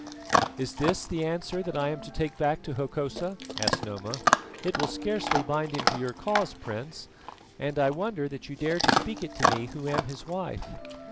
"Is this the answer that I am to take back to Hokosa?" asked Noma. "It will scarcely bind him to your cause, Prince, and I wonder that you dare to speak it to me who am his wife."